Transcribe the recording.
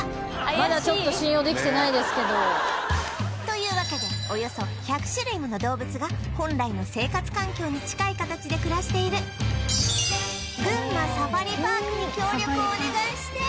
というわけでおよそ１００種類もの動物が本来の生活環境に近い形で暮らしている群馬サファリパークに協力をお願いして